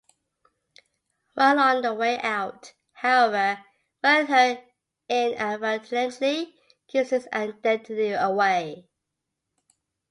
While on the way out, however, Wernher inadvertently gives his identity away.